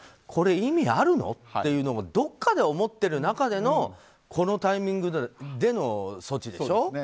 これ、意味あるの？というのもどこかで思っている中でのこのタイミングでの措置でしょ。